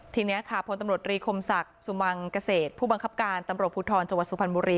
ทีนี้ค่ะพตมลีคมศักดิ์สุมวังเกษตรพบังคับการตพุทธรจสุภัณฑ์บุรี